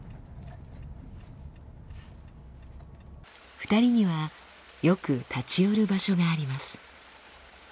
２人にはよく立ち寄る場所があります。